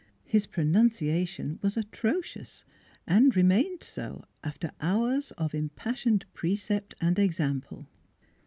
His pronunciation was atrocious, and remained so after hours of impassioned precept and example.